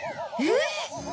えっ！？